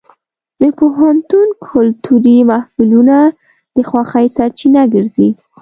د پوهنتون کلتوري محفلونه د خوښۍ سرچینه ګرځي.